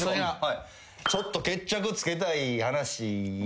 ちょっと決着つけたい話いいですか？